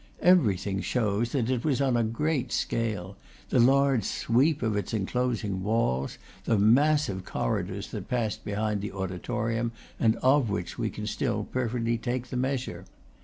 Every thing shows that it was on a great scale: the large sweep of its enclosing walls, the massive corridors that passed behind the auditorium, and of which we can still perfectly take the measure.